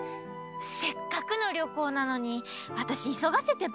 せっかくのりょこうなのにわたしいそがせてばっかりだったかも。